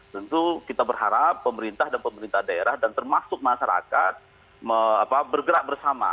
tentu kita berharap pemerintah dan pemerintah daerah dan termasuk masyarakat bergerak bersama